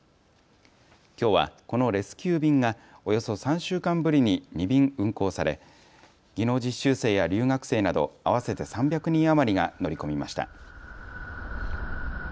きょうは、このレスキュー便がおよそ３週間ぶりに２便運航され、技能実習生や留学生など合わせて３００人余りが乗り込みました。